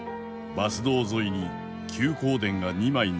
「バス道沿いに休耕田が二枚並んだ。